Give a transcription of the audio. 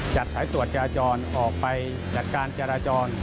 จัดสายตรวจจารจรออกไปจัดการจารจร